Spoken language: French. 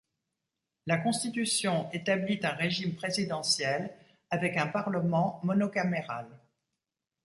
La Constitution établit un régime présidentiel avec un Parlement monocaméral.